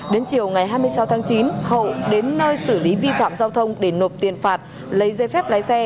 đến chiều ngày hai mươi sáu tháng chín hậu đến nơi xử lý vi phạm giao thông để nộp tiền phạt lấy dây phép lái xe